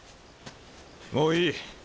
もういい。